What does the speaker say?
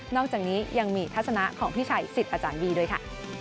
อกจากนี้ยังมีทัศนะของพี่ชัยสิทธิ์อาจารย์บี้ด้วยค่ะ